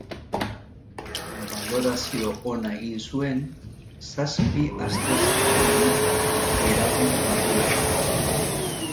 Balorazio ona egin zuen, zazpi astez soilik iraun badu ere.